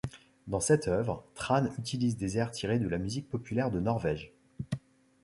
Dans cette œuvre, Thrane utilise des airs tirés de la musique populaire de Norvège.